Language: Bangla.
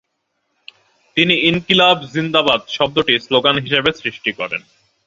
তিনি "ইনকিলাব জিন্দাবাদ" শব্দটি স্লোগান হিসেবে সৃষ্টি করেন।